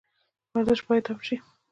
ورزش باید عام شي